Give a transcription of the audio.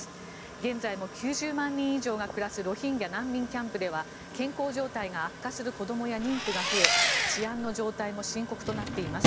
現在も９０万人以上が暮らすロヒンギャ難民キャンプでは健康状態が悪化する子どもや妊婦が増え治安の状態も深刻となっています。